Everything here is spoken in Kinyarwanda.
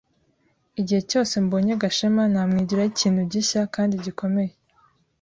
Igihe cyose mbonye Gashema, namwigiraho ikintu gishya kandi gikomeye.